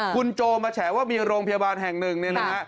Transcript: คุณโจมาแฉว่ามีโรงพยาบาลแห่งหนึ่งเนี่ยนะฮะ